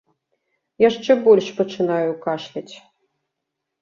Яшчэ больш пачынаю кашляць.